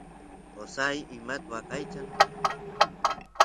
qosay imat waqaychan